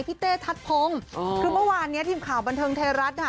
พี่เตะถัดผมคือเมื่อวานนี้ทีมข่าวบันเทิงไทยรัฐนะ